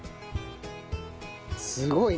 すごいね！